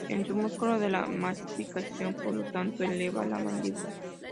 Es un músculo de la masticación, por lo tanto eleva la mandíbula.